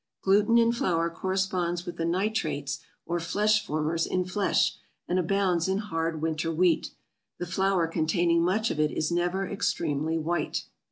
Gluten in flour corresponds with the nitrates or flesh formers in flesh, and abounds in hard winter wheat. The flour containing much of it is never extremely white.